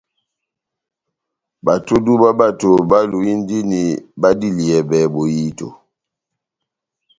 Batodu bá bato báluwindini badiliyɛbɛ bohito.